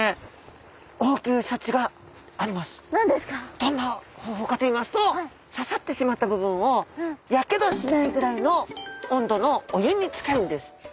どんな方法かといいますと刺さってしまった部分をやけどしないぐらいの温度のお湯につけるんです。